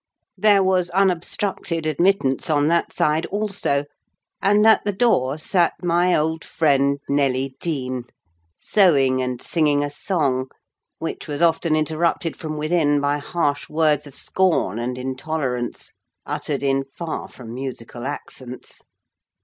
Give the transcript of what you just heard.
There was unobstructed admittance on that side also; and at the door sat my old friend Nelly Dean, sewing and singing a song; which was often interrupted from within by harsh words of scorn and intolerance, uttered in far from musical accents.